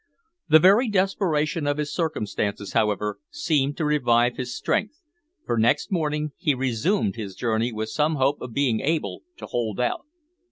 The very desperation of his circumstances, however, seemed to revive his strength, for next morning he resumed his journey with some hope of being able to hold out.